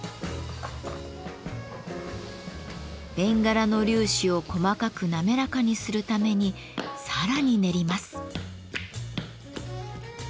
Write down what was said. ベンガラの粒子を細かく滑らかにするためにさらに練ります。